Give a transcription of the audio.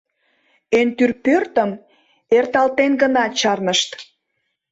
Эн тӱр пӧртым эрталтен гына чарнышт.